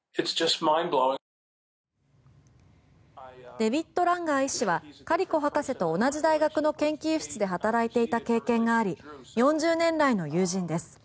デビッド・ランガー医師はカリコ博士と同じ大学の研究室で働いていた経験があり４０年来の友人です。